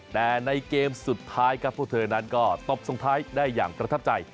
แต่ในเกมสุดท้ายพวกเธอนั้นก็ตอบส่วนได้อย่างกระทับใจ